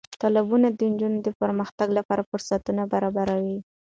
تالابونه د نجونو د پرمختګ لپاره فرصتونه برابروي.